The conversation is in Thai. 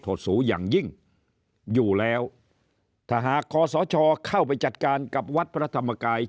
สูอย่างยิ่งอยู่แล้วถ้าหากคอสชเข้าไปจัดการกับวัดพระธรรมกาย